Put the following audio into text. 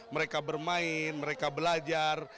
mereka bermain mereka belajar